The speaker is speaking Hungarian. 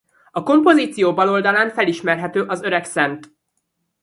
A kompozíció bal oldalán felismerhető az öreg Szt.